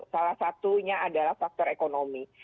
salah satunya adalah faktor ekonomi